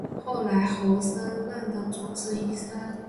后来侯升任为主治医师。